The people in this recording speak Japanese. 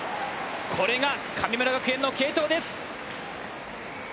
これが神村学園の継投です。